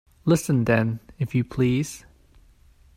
Listen then, if you please.